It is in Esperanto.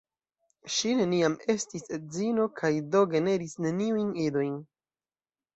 Ŝi neniam estis edzino kaj do generis neniujn idojn.